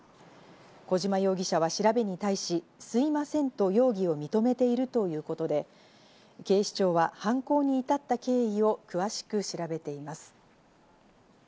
小島容疑者は調べに対し、すいませんと容疑を認めているということで警視庁は犯行に至った経緯を詳しく調べています。